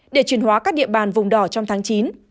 để chuyển hóa các địa bàn vùng đỏ trong tháng chín